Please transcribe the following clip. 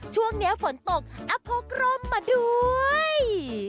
ช่วงนี้ฝนตกอกร่มมาด้วย